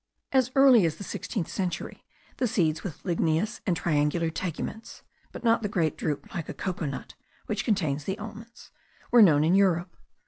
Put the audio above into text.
As early as the sixteenth century, the seeds with ligneous and triangular teguments (but not the great drupe like a cocoa nut, which contains the almonds,) were known in Europe.